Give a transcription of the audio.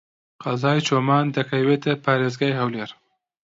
قەزای چۆمان دەکەوێتە پارێزگای هەولێر.